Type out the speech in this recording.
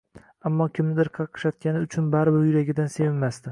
ammo kimnidir qaqshatgani uchun baribir yuragidan sevinmasdi.